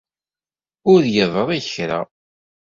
Ur yeḍri kra.